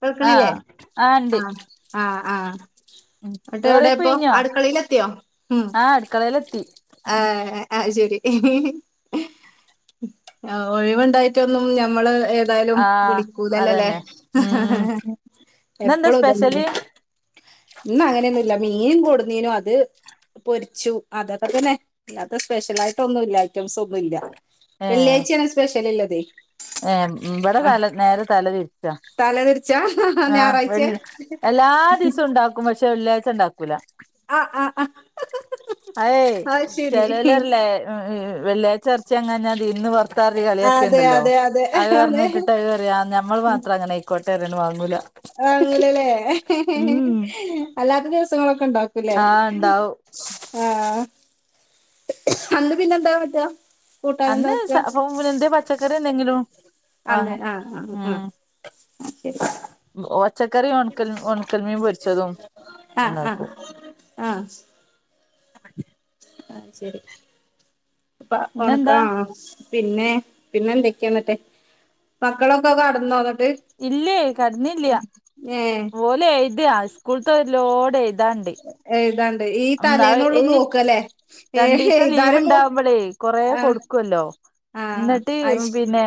കേൾക്കണില്ലേ ആഹ് ആഹ് ഇണ്ട് ആ ആ ആ ഉം എന്നട്ട് എവിടെ ചോറയ്പ്പ് ഇപ്പോ കഴിഞ്ഞോ അടുക്കളൽ എത്തിയോ ഉം ആഹ് അടുക്കളയിലെത്തി ആ ശരി [unintelligible] ഒഴിവുണ്ടായിട്ടൊന്നും ഞമ്മൾ ഏതായാലും ആഹ് വിളിക്കൂലല്ലേ അതന്നെ ഉം [unintelligible] ഇന്നെന്താ എപ്പളും ഇതന്നല്ലേ സ്പെഷ്യല് ഇന്ന അങ്ങനെയൊന്നുല്ല മീൻ കൊടുന്നീനും അത് പൊരിച്ചു അതൊക്കെ തന്നെ ഇല്ലാത്ത സ്പെഷ്യലായിട്ട് ഒന്നും ഇല്ല റ്റ സം ഒന്നുംല്ല വെള്ളിയാ ചാണ് സ്പെഷ്യൽല്ല ഇള്ളത് ഏം ഇവിടെ തല നേരെ തല തിരിചാ തല തിരിച്ചാ ആ വെള്ള ഞായറാഴ്ച എല്ലാ ദിവസവും ഉണ്ടാക്കും പക്ഷെ വെള്ളിയാ ഉണ്ടാക്കൂല ചെ ആ ആ ഹ്ആ അഏയ് ചെിലലറല്ലേ വെള്ളിയായ്ച്ച എറച്ചി ങ്ങാഞാൽ ദീനിന്ന് പൊർത്താ റി കളിയൊക്കെ അതെ ഉണ്ടല്ലോ അതെ അതെ അത് അതെ പറഞ്ഞിട്ടിട്ട് അത് പറയാ ഞമ്മൾ മാത്രം അങ്ങനെ ആയിക്കോട്ടെ റഞ്ഞ് വാങ്ങൂല ആങ്ങൂലല്ലേ ഉം [inaudible] അല്ലാത്ത ദിവസങ്ങളൊക്കെ ണ്ടാക്കൂലേ ആഹ് ഇണ്ടാവും [inaudible] ആ [unintelligible] [unintelligible] അന്ന് പിന്നെന്താ കാട്ടാ അന്ന് [unintelligible] ക എന്ത പച്ചക്കറി എന്തെങ്കിലും അല്ലെ വാങ്ങും ആഹ ആഹ് ആഹ ആ ഒച്ചക്കറും ഒണക്കൽ ഉണക്കൽമീൻ പൊരിച്ചതും ആ ആ ഉണ്ടാക്കും ആ [unintelligible] ആ ശരി അപ്പ [unintelligible] പിന്നെന്താ ആ പിന്നെ പിന്നെ എന്തൊക്കെയാന്നിട്ടേ മക്കളൊക്കെ കടന്നോ അതൊ ഇല്ലേ കടന്നില്ല ഏഹ് ഓലെ എഴുതാ സ്കൂളത്തെ ലോഡ് എ താണ്ട് എഴുതാണ്ട് ഈ [unintelligible] തലേന്നൊള്ളു ഏ നോക്കല്ലേ ഏ രണ്ടു ദിവസം ലീവ് എഴുതാനും മൂ ഉണ്ടാവുമ്പോളേ കൊറ ആഹ് കൊടുക്കല്ലോ ആഹ് ന്ന്ട്ട് അയ്ശ് പിന്നെ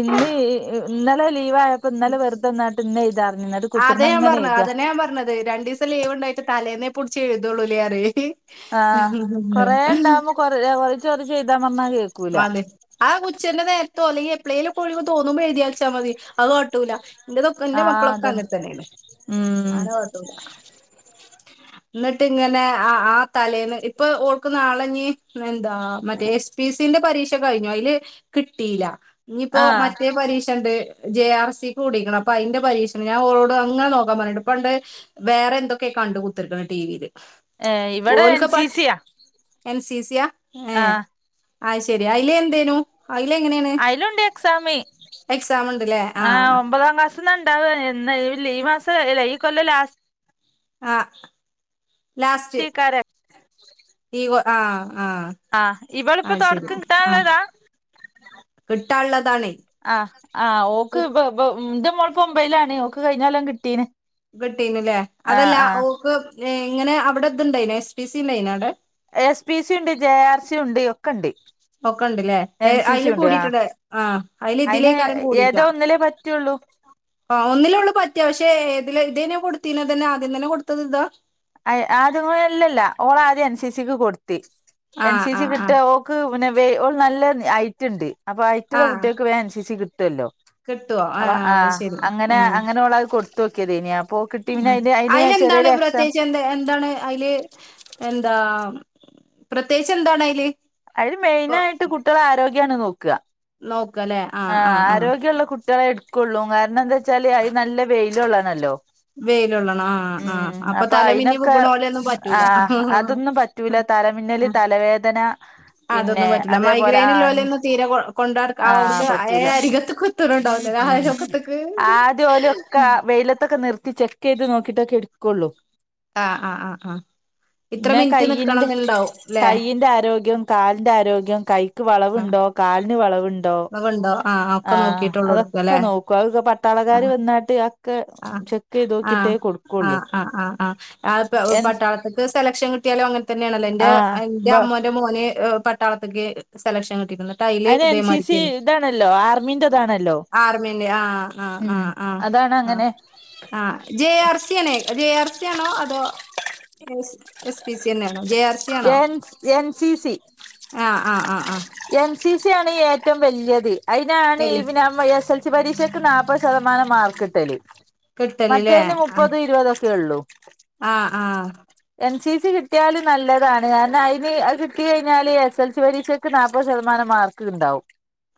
ഇന്ന് ഇന്നലെ ലീവായപ്പോ ഇന്നലെ വെറുതെ ന്നാട്ട് ഇന്നെയ് അതെ ഞാൻ പറഞ്ഞത് അതെന്നെ ഞാൻ പറഞ്ഞത് രണ്ടീസം ലീവ്ണ്ടായിട്ട് തലേന്നേ പിടിച്ചെയ്തൊള്ളൂ പറയും ആ കൊറേണ്ടാവുമ്പോ കൊ കൊർച്ച് കൊർച്ച് എയ്താ [unintelligible] ആ ഉച്ചൻ്റെ നേരത്ത് ഒലി പ്ലെലൊക്കെ ഒയ്വ് തോന്നുമ്പോ എയ്തി വെച്ചാ മതി അതാട്ടൂല ന്റെതൊക്ക ന്റെ ആഹ് മക്കളൊക്കെ അതന്നെ അങ്ങൻതെന്നെണ് ഉം ആനെ കാട്ടൂല ന്നിട്ട് ങ്ങനെ ആ ആ തലേന്ന് ഇപ്പൊ ഓക്ക്ന്നാളെഞ്ഞി എന്താ മറ്റേ എസ് പി സിന്റെ പരീക്ഷ കയ്ഞ്ഞു അയ്ല് കിട്ടില്ല ഞ്ഞിപ്പോ ആഹ് മറ്റേ പരീഷണ്ട് ജെ ആർ സിക്ക് കൂടിക്ക്ണ് അപ്പൊ അയ്‌ന്റെ പരീഷണ്ട് ഞാ ഓളോട് അങ്ങനെ നോക്കാൻ പറഞ്ട്ട് ഇപ്പണ്ട് വേറെ എന്തൊക്കെ കണ്ട് കുത്തർക്കണം ടിവി ല്. ഏ ഇവടെ എൻ സി സി യാ. എൻ സി സി യാ ഏ അയ് ശരി അയിലന്തേനു? അയിലുണ്ട് എക്സാമ്. എക്സാം ഉണ്ടല്ലേ ആ ഒമ്പതാം ക്ലാസ് ന്നാണ്ടാവ ഈ മാസം ല ഈ കൊല്ലം ലാസ് ആഹ് ലാസ്റ്റ് ലാസ്റ്റേക്കാരം ഈ ആഹ് ആഹ് ഇവള്പ്പൊ തൊട്ക്കം കിട്ടാള്ളതാ. കിട്ടാള്ള ആഹ് ആഹ് ഓക്ക് ബ ബ ന്റെ മോള് പ്പം ഒമ്പയ്‌ലാണ്. ഓക്ക് കഴിഞ്ഞൊല്ലം കിട്ടീണ്. കിട്ടീന്നുലേ അതല്ല ഓക്ക് ഇങ്ങനെ അവിടെ ഇതുണ്ടായിന എസ് പി സി ഉണ്ടായിന അവിടെ എസ് പി സി ഉണ്ട് ജെ ആർ സി ഉണ്ട് ഒക്കെ ഉണ്ട് ഒക്കണ്ട് ലേ ഏ എൻ സി സി അയില് ഉണ്ട് ആ കൂടിട്ട്ണ്ട് ആഹ് അയി ല് അയിന് ഇതിലേക്കാരം കൂടിക്കാ ഏതോ ഒന്നിലേ പറ്റുള്ളൂ ആഹ് ഒന്നിലൊള്ളൂ പറ്റ പക്ഷെ ഏതിൽ ഇതേനോ കൊടുത്തീനത് തന്നെ ആദ്യം തന്നെ കൊടുത്തത് ഇതാ അ അതങ്ങല്ലല്ല ഓള ആദ്യം എൻ സി സിക്ക് കൊടുത്ത് എൻ ആഹ് സി സി ആഹ് കിട്ട ആഹ് ഓക്ക് പിന്നെ [unintelligible] ഓൾ നല്ല ഐറ്റ് ണ്ട്. അപ്പൊ ഐറ്റുള്ള ആഹ് കുട്ടികൾക്ക് വേം എൻ സി സി കി തല്ലോ കിട്ടുവോ അപ്പ ആ ആഹ് ശരി അങ്ങനെ ആഹ് അങ്ങനെ ഓളെത് കൊടുത്തോക്കിയതേനി അപ്പോക്കിട്ടി പിന്നെ ആഹ് അയ്ൻ്റെ അയിന് അയിലെന്താണ് ചെറിയൊരു എക്സാം പ്രത്യേകിച്ച് എന്ത എന്താണ് അയില് എന്താ പ്രത്യേകിച്ച് എന്താണ് അയില് അയില് മെയിന് ഇപ്പൊ ആയിട്ട് കുട്യോളെ ആരോഗ്യാണ് നോക്ക നോക്കല്ലേ ആ ആഹ് ആഹ് ആഹ് ആരോഗ്യള്ള കുട്ടികളെ എടുക്കുള്ളൂ കാരണം എന്താ വെച്ചാല് അത് നല്ല വെയിലൊള്ളണല്ലോ വെയിലൊള്ളണം ആഹ് ആഹ് അപ്പൊ തലമിന്നി വിഗ്ഗ്ണോലൊന്നും പറ്റൂല ആഹ് അതൊന്നും പറ്റൂല ആ, തലമിന്നല് തലവേദന പിന്നെ അതൊന്നും പറ്റുല്ല. അതേപോലെ മൈഗ്രയിൻ ഇല്ലോലെന്നും തീരെ കൊ കൊണ്ടട് അവ്ട്ക് പറ്റൂല്ല. ഏ എ ആദ്യോലൊക്ക വെയിലത്തൊക്കെ നിർത്തി ചെക്കെയ് ത് നോക്കിട്ടൊക്കെ ഇട്ക്കൊള്ളൂ ആഹ് ആഹ് ആഹ് ഇത്ര പിന്നെ മിനിറ്റ് കൈയിന്റെ നിക്കണംന്നുണ്ടാവും ല്ലേ കയ്യിൻ്റെ ആരോഗ്യം കാൽ ഇന്റെ ആരോഗ്യം കൈക്ക് ആഹ് വളവുണ്ടോ കാലിന് വളവുണ്ടോ അതൊക്കെ ഉണ്ടോ ആഹ് ആ ഒക്കെ നോക്കിട്ടൊള്ളൂ അതൊക്കെ എടുക്കല്ലേ നോക്കും അ ഒക്കെ പട്ടാളക്കാർ ആഹ് വന്നാട്ട് അത് ഒക്കെ ചെക്ക് ചെയ്ത് നോക്കി ആ ആ ആ ആ ആഹ് എൻ പട്ടാളത്ത്ക്ക് സെലക്ഷൻ കിട്ടിയാലും അങ്ങനെ തന്നെയാണല്ലോ ഇൻ്റെ ആഹ് അ എന്റെ ബ അമ്മോന്റെ മോന് പട്ടാളത്ത്ക്ക് സെലക്ഷൻ കിട്ടിക്ക്ണ് തൈല് അയിന് എൻ സി സി ഇതേമാരിക്കേന്നു ഇതാണല്ലോ ആർമിന്റെതാണല്ലോ ആർമേന്നെ ആഹ് ആഹ് ഉം ആഹ് ആഹ് അതാണ് ആ അങ്ങനെ ആഹ്. ജെ ആർ സി യേണ്. ജെ ആർ സിയ ആണോ അതോ എസ് പി സി യെന്നേണ് ജെ ആർ സി ആണോ എൻ എൻ സി സി ആ ആ ആ എൻ സി സി ആണ് ഏറ്റവും വലിയത് അയിനാണ് ഈ വല്യ പിന്നെ എസ് എൽസി പരീക്ഷക്ക് നാല്പത് ശതമാനം മാർക്ക് കിട്ടല് കിട്ടലില്ലേ മറ്റേതിന് ആഹ് മുപ്പത് ഇരുപത ആഹ് ആഹ് എൻ സി സി കിട്ടിയാലും നല്ലതാണ്. കാരണം അയില് കിട്ടി കഴിഞ്ഞാല് എസ് എൽ സി പരീക്ഷ ക്ക് നാല്പ്പത് ശതമാനം മാർക്ക് ഉണ്ടാവും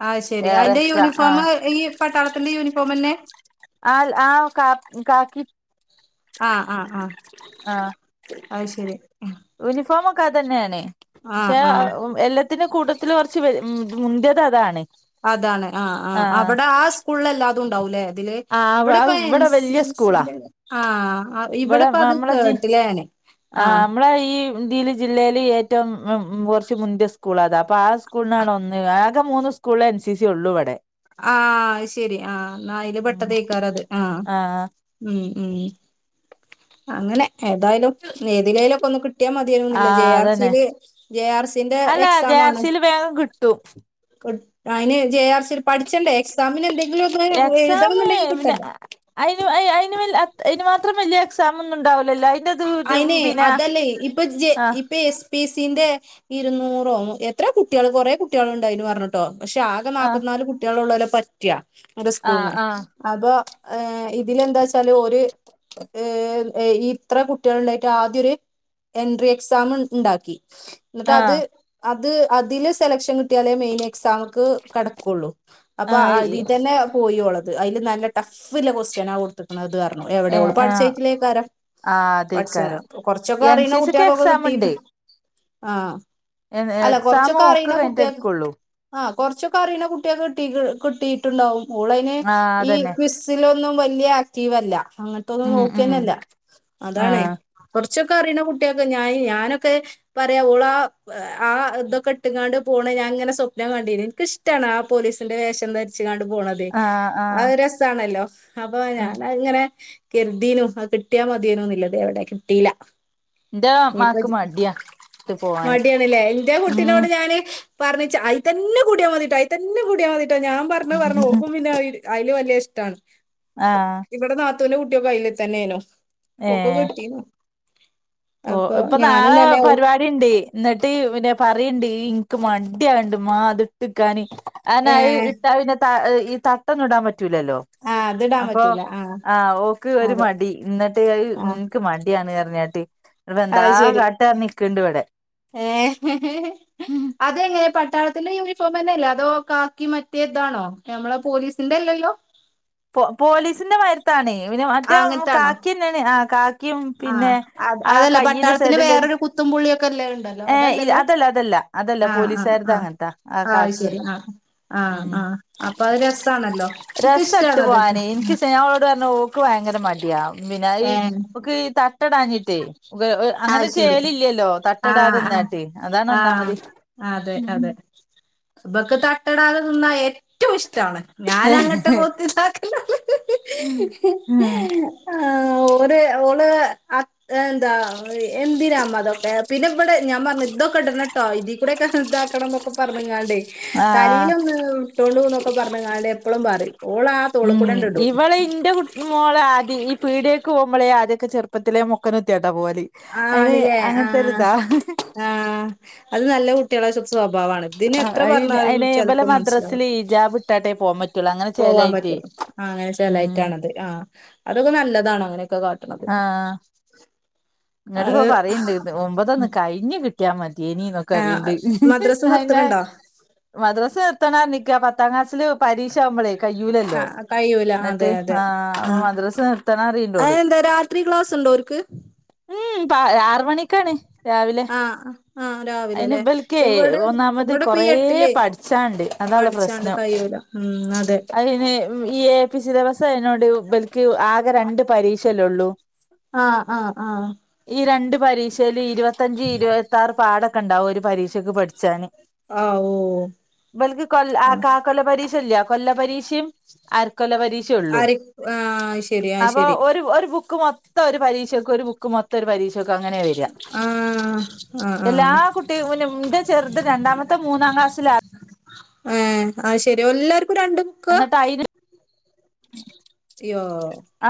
ആഹ് ശെരി ഏറെ അയിന്റെ എക്സ്ട്രാ ആ യൂണിഫോം ഈ പട്ടാളത്തിന്റെ യൂണിഫോമെന്നെ ആൽ ആ കാ കാക്കി ആഹ് ആഹ് ആഹ് ആ അത് ശരി ഫോം ഒക്കെ അതന്നേണ് പക്ഷേ എല്ലാത്തിനു കൂടെ ത്തില് കൊറച്ച് വല് മുന്തിയത് അതാണ് അതാണ് ആ ആ അവിടെ ആ സ്കൂളിൽ എല്ലാതും ഉണ്ടാവൂലേ അത് ആ ഇവിടെപ്പ എൻ ഇവിടെ സി വല്യ സി സ്കൂളാ ൻ്റെ ആ ഇവിടെ ഇവിടെപ്പ അത് നമ്മളെ ജി കേട്ടില ഞാന് ആ ആഹ് നമ്മളെ ഈ ഇന്ത്യല് ജില്ലേല് ഏറ്റവും കുറച്ച് മുന്ത്യ സ്കൂളതാ അപ്പൊ ആ സ്കൂളിനാണ് ഒന്ന്. ആകെ മൂന്ന് സ്‌കൂ സ്കൂള് എൻ സി സി ഉള്ളൂ ഇവിടെ ആ അഹ് ശരി ആഹ് ഇന്നയില് പെട്ട തേയ്ക്കാരത് ആഹ് ആ ഉം ഉം അങ്ങനെ ഏതായാലും ഏതിലേലൊക്കെ ഒന്ന് കിട്ടിയാ ആ മതിയാര്ന്നുല്ലെ ജെ ആർ അതന്നെ സിയില് ജെ ആർ സിന്റെ അല്ല എക്സാം ജെ വാണ് [unintelligible] കിട്ടും കി ട്ടയിന് ജെ ആർ സി പഠിച്ചണ്ടേ എക്സാമിന് എന്തെങ്കിലും ഒന്ന് എക്സാം എഴുതണംന്നുണ്ടെങ്കി കിട്ടണ്ടേ ഇനിന് മാത്രം വലിയ എക്സാം ഒന്നും ഉണ്ടാവല്ലോ അയിനെ അതല്ലേ ഇപ്പൊ ജ ആഹ് ഇപ്പേ സ്പിസ് ത്തിന്റെ ഇരുന്നൂറോ എത്ര കുട്ടികൾ കൊറെേ കുട്ടികള ഉണ്ട അു പറഞ്ഞിട്ടോ പക്ഷെ ആകെ ആഹ് നാപ്പത്തിനാല് കുട്ടികളള്ളല പറ്റിയ എ ആഹ് സ്കൂളന്ന് ആഹ് അപ്പൊ ഇതിലെന്താ വച്ചാല് ഒരു ഏ ഈ എത്ര കുട്ടികൾ ഉണ്ടായിട്ട് ആദ്യ ഒരു എൻട്രി എക്സാം ഉണ്ടാക്കി എന്നിട്ട് അത് ആഹ് അത് അതില് സെലക്ഷൻ കിട്ടിയാലേ മെയിന ആയി എക്സാമക്ക് കിടക്കുള്ളൂ അപ്പൊ ആഹ് ഈ അതിൽ തന്നെ പോയോളു അ അതില് നല്ല ടഫ്ില്ല ക്സ്്യൻ ആ കൊടുത്തക്കണത് കു ഏഹ് എവിടെയള്ളൂ ആഹ് പഠിച്ചട്ടിലേക്ക ആാരോ ആഹ് പച്ച അതേക്കാരം കൊറച്ചൊക്കെ എൻ അറിയണ സി സിക്ക് കുട്ടികൾക്കൊക്കെ എക്സാം കിട്ടിട്ട് ഉണ്ട് ആഹ അല്ല എക്സാം കൊറച്ചൊക്കെ ഒക്കെ അറിയുന്ന കഴിഞ്ഞിട്ട് കുട്ടിയെ എടുക്കുള്ളൂ ആ കുറച്ചൊക്കെ അറിയുന്ന കുട്ടികൊെ കെട്ട കിട്ടിട്ടുണ്ടാവും മോളന് ആഹ് ഈ അതന്നെ ക്വിസ്സിലൊന്നും വലിയ ആക്റ്റീവ അല്ല അങ്ങനത്തെൊന്നും ഉം ഉം നോക്കിയന്നല്ല അതാണേ ആഹ് കുറച്ച് കൊച്ചൊക്കെ അറിയണ കുട്ടിയൊക്കെ ഞൻ ഞാനൊക്കെ പറയാ പോോൾ ആ ആ ഇതൊക്കെ ഇട്ടങ്ങാണ്ട് പോണ ഞാ അങ്ങനെ സ്പനം കണ്ടിന്ന് എനിക് ഇഷ്ട ആ പോലീസിന്റെ വേഷം രിച്ച് ണ്ട് പോണത് ആഹ് അ ആഹ് രസാണല്ലോ അപ്പൊ ഉം ഞൻ ഇങ്ങനെ കരുതീനു അത് കിട്ടിയാൽ മതിയേനൊന്നില്ലതെ എവിടെ കിട്ടീയി എന്റെ മാക്ക് ഇയിപ്പ മടിയാ ട്ട് പോവാന് മടിയണല്ലേ എറെ ഉം കുട്ടിനോട് ഞാന് പറഞ്ഞ അത്ന്നെൂടിയാ മതിട്ടോ അയി തന്നെ കുടിയാൽ മതിട്ടോ ഞാൻ പറഞ്ഞഞ്ഞ്ഞ ഓപ്പം പിന്നെ അല് വലിയ ഇഷ്ടം ത്താണ് ആഹ ത്തനെ കുട്ടിയ കൈലെത്തന്നനോ ഓക്കോ ഏഹ് കിട്ടീനോ ഓ ഇപ്പൊ നാളെ ഓ പരിപാടിണ്ട് എന്നിട്ട് പിന്നെ പറയുണ്ട് ഇനിക്ക് മടിയണ്ട് മാ അത് ഇട്ടിക്കി അന ഏ ഇട്ടാ പിന്നെ ഈ തട്ടൊന്നും ഇടാൻ പറ്റൂലല്ലോ ആ അതിടാൻ അപ്പൊ പറ്റൂല ആ ഓക്ക് ഒരു അതെ മടി എന്നിട്ട് നിനിക്ക് മടിയാണ് കഞ്ഞാട്ട് അഹ ശരി ഇവിടെ ഏ ഉം അതെങ്ങനെ പട്ടാള ത്തിന്റെ യൂണിഫോം തന്നെയല്ലേ അതോ കാക്കി മറ്റിയതാണോ നമ്മളെ പോലീസിന്റെല്ലല്ലോ പോലീസിന്റെ മരത്താണേ പിന്നെ ആ മറ്റേ അങ്ങനത്താണോ കാക്കി തന്നെയാണ് ആ കാക്കിയും ആഹ് പിന്നെ അത് ആ അതല്ല കയ്യറെ പട്ടാളത്തിന് സൈഡില്രു വേറൊരു കുത്തും പുള്ളിയൊക്കെ അല്ലേ ഉണ്ടല്ലോ ഏ അതല്ലല്ലോ അതല്ല അതല്ല അതല്ല ആഹ് ആഹ് പോലീസരുതാ ആഹ് അങ്ങനത്താ ആ ആഹ് അത് കാക്കിയ ശരി ആഹ് ഉ ആഹ് ആഹ് അപ്പൊ അത് രസാണല്ലോ രസ ഇട്ട് എനിക്കിഷ്ടാണത് പോവാന എനിക്ക് ഞ അവളോട് പറ ഓക്ക ഭയങ്കര മടയാ പിന്നാ ഏഹ് ഒക്ക് തട്ടടാഞ്ഞിട്ടേ അങ്ങനെ അത് ശരി ചേലില്ലല്ലോ ആഹ് തട്ടടാതെന്നെ ആഹ് ട്ട അതണോന്നാ മതി ഇബൊക്ക തട്ടടാതെ നിന്ന ഏറ്റവും ഇഷ്ടമാണ് ഞാൻങ്ങോട്ട് കോത്തി സാക്ക ഉം ഓ ഓള് എന്താ എന്തിന അതൊക്കെ പിന്നെ ഇവിടെ ഞാ പറഞ്ഞു ഇതൊക്കെ ഇടന്നട്ടോ ഇതീ കൂടെക്കെ ഇതാക്കണം എന്നൊക്കെ പറഞ്ഞ ഞാണ്ട് തലേൽ ആഹ് ഒന്ന് ഇട്ടോണ്ട്ന്നൊക്കെ പറഞ്ഞ കാര്യം എപ്പോളും പറയും ഓള് ആ തോള് ഉം കൂടെണ്ട് ഇടും ഇവളെ ഇന്റെ കുട്ട മോളെ ഈ പീടേക്ക് പോുമ്പോളേ ആദ്യൊക്കെുത്തിലെ മുക്കനെത്തിയ പോല അതിനെ ആണ്ല്ലേ അങ്ങനത്തെ ആഹ് ഒരിത സ്വഭാവമാണ് ഇതിനന് എത്ര അയിന് പറഞ്ഞാലും അയിന് ഇവലെ ചിലപ്പോ മനസ്സിലാവും മദ്രസില് ഇജാബ് ഇട്ടാട്ടേ പോകാൻ പറ്റുള്ളൂ അങ്ങനെ പോവാൻ പറ്റ ചേലായിട്ടേ ആഹ അങ്ങനെ ഉം ചലായിട്ടാണത് ആഹ അതൊക്കെ നല്ലതാണ് അങ്ങനെയൊക്കെ കാട്ടണത് ഇങ്ങട്ട ഇപ്പോ അത് പറയണ്ട് ഒൻമ്പതൊന്നന്ന് കഴിഞ്ഞു കിട്ടിയാ മതി ജേന എന്നൊക്കെ അറിയണ്ട് ആഹ് മദ്രസ് ന്നെ നിർത്തണുണ്ടോ മദ്രാസ പത്തനാ നിിക്കാ പത്തങ്ങാസ്ില പരി മ്പളേ കയ്യൂലല്ലോ. ആഹ് കഴിയൂല അതെ ന്നിട്ട് അതെ ആ ആഹ് മദ്രസ് നിർത്തണ അറീണ്ട് ഓള്. അതെന്താ രാത്രി ക്ലാസ് ഉണ്ടോൽക്ക്? ഉം [unintelligible] ഒമ്പണിക്കാണ് രാവിലെ ആഹ് ആഹ് അയ്ന് രാവിലെല്ലേ ബൽക്കേ ഇവിടെ ഒന്നാമത് ഇവിടെ ഇപ്പ ഈ കൊറേ എട്ടില് പ ട്ച്ചാണ്ട് അതാള്ള പഠിച്ചാണ്ട് പ്രശ്നം. കഴിയൂല ഉം അതെ അയ്ന് എ പി സിലബസ് അയ്നോട് ബൽക്ക് ആകെ രണ്ട് പരീഷല്ലേള്ളൂ. ആഹ് ആഹ് ആഹ്. രണ്ട് പരീഷേല് ഇരുവത്തഞ്ച് ഇരുവത്താറ് പാടൊക്കെണ്ടാവും ഒരു പരീക്ഷക്ക് പട്ച്ചാന്. ആഹ് ഓ ബൽക്ക് കൊല്ല ആ കാകൊല്ല പരീക്ഷല്ല കൊല്ല പരീഷിം അര്ക്കൊല്ല പരീക്ഷള്ളൂ. ആരിഫ് ആഹ് അത് ശരി അത് അപ്പൊ ശരി. ഒരു ഒരു ബുക്ക് മൊ ത്തം ഒരു പരീഷക്ക് ഒരു ബുക്ക് മൊത്തം ഒരു പരീഷക്ക് അങ്ങനെ വര. ആഹ് ആഹ് എല്ലാ ആഹ് കുട്ടിയ ഇന്റെ ചെർത് രണ്ടാമത്തെ മൂന്നാം ക്ലാസ്സിലാ. ഏഹ്. അയ് ശരി എല്ലാർ എന്നിട്ടയ്ന് യോ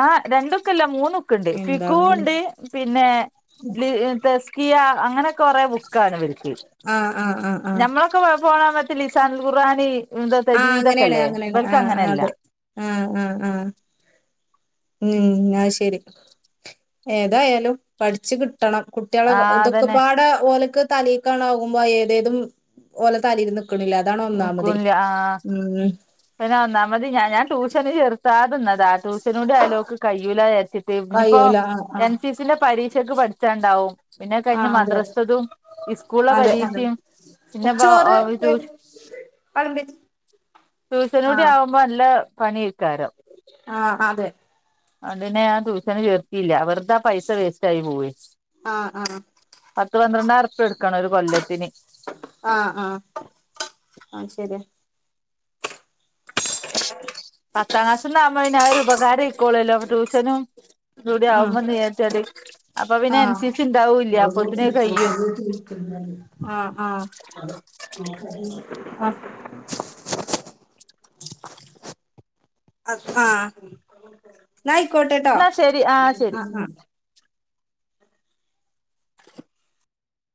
ആഹ് രണ്ടുക്കല്ല മൂന്നു ക്ക്ണ്ട് എന്താണ് ഫിക്കുഹുണ്ട്. പിന്നെ ലി തസ്കിയ അങ്ങനൊക്കെ കൊറെേ ബുക്കാള് വി [unintelligible] ക്ക് ആഹ് ആഹ് ആഹ് ആഹ് ഞമ്മളൊക്കെ പോണമയത്ത് ലിസാനുൽ ഖുർആൻ ആഹ് അങ്ങനെയാണ് ഇന്തത്തെജ്‌വീതൊക്കല്ലേ അങ്ങനെയാണ് ബെൽക്ക് ആഹ് ആഹ് അങ്ങനെയല്ല അതെ ആഹ് ആഹ് ആഹ് ഉം അഹ് ശെരി ഏതായാലും പഠിച്ച് കിട്ട് കിട്ടണം കുട്ട്യേളെ ആ അതന്നെ ഇതൊക്കെപാടെ ഓല്ക്ക് തലേക്കാണാവുമ്പോ ഏതേതും ഓലെ തലെര്ന്ന് ക്ക്ണ്ല് അതാണ് ഒന്നാമതെ കുൻ ആ ഉം പിന്നെ ഒന്നാമത് ഞാ ഞാൻ ട്യൂഷന് ചെർത്താതെന്നതാ ട്യൂഷനൂടി ആയ ലോക്ക് കയ്യൂലാജാര്ച്ച് [unintelligible] ഇഞ്ഞ്പ്പോ കഴിയൂല ആഹ് എൻ ആഹ് സി സിന്റെ പരീക്ഷ ഒക്കെ പഠിച്ചാണ്ടാവും പിന്നെ കഴിഞ് ആഹ് അതെ. മദ്രസ്ത്തതും സ്കൂളെ പരീക്ഷിം കൊറ്ച്ചോറ് [unintelligible] [unintelligible] ടൂഷനൂടി ആവുമ്പോ നല്ല പ ണ്യേക്കാ രം ആഹ് അതെ അതിനെ ആ ട്യൂഷന് ചേർത്തീല്ല വെറ്താ പൈസ വേസ്റ്റ്യായി പോവേ ആഹ് ആഹ് പത്ത് പന്ത്രണ്ടാം അറപ്പ എടുക്കണം ഒരു കൊല്ലത്തിന് ആ ആ ആ ശരിയാ പത്താം ക്ലാസ്ന്നാവുമ്പോ ഇന അവരു ഉപകാര ഇക്കോളൂല്ലോ ട്യൂഷനും ഇ കൂടെ ഉം ആവുമ്പോ നേച്ചട് അപ്പൊ പിന്നെ ആഹ് അനുസരിച്ച് ഇണ്ടാവൂല്ല അപ്പത്തിന് കയ്യും ആ ആ ആ ആ നായിക്കോട്ടെട്ടോ എന്നാ ശരി ആ ശരി ആ